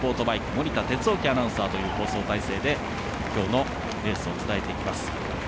森田哲意アナウンサーという放送体制で今日のレースを伝えていきます。